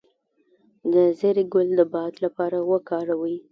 د زیرې ګل د باد لپاره وکاروئ